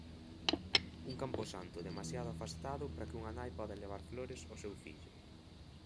Un camposanto demasiado afastado para que unha nai poida levar flores ao seu fillo.